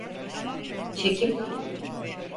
Çekim.